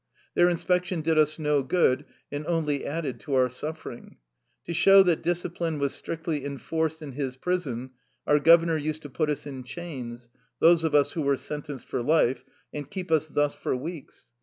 Their inspection did us no good, and only added to our suffering. To show that dis cipline was strictly enforced in his prison our governor used to put us in chains — those of us who were sentenced for life — and keep us thus for weeks.